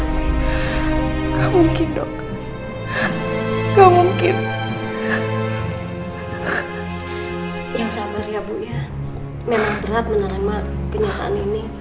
saya ilham nenek dari naughty perry mah dinner